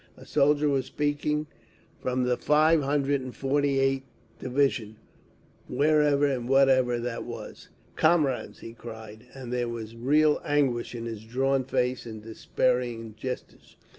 A soldier was speaking—from the Five Hundred and Forty eight Division, wherever and whatever that was: "Comrades," he cried, and there was real anguish in his drawn face and despairing gestures.